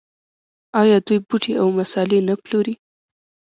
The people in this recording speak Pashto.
آیا دوی بوټي او مسالې نه پلوري؟